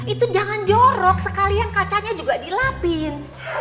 itu jangan jorok sekalian kacanya juga dilapin